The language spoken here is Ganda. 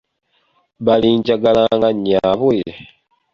Balinjagala nga nnyaabwe?